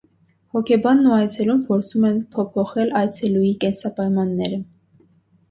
Հոգեբանն ու այցելուն փորձում են փոփոխել այցելուի կենսապայմանները։